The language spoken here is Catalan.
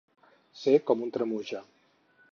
Ser com una tremuja.